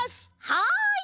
はい！